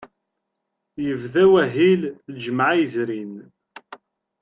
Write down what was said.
Yebda wahil lǧemɛa yezrin.